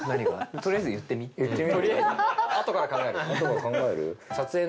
とりあえず言ってみ。